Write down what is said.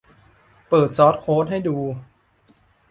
เปิดซอร์สโค้ดให้ดู